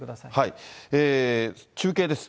中継です。